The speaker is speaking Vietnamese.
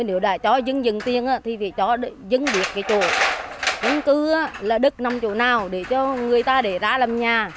nếu đã cho dân dân tiên thì phải cho dân việc cái chỗ dân cư là đứt năm chỗ nào để cho người ta để ra làm nhà